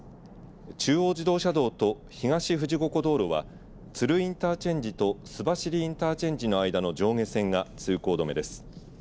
中央自動車道と東富士五湖道路は都留インターチェンジと須走インターチェンジの間の上下線が通行止めです。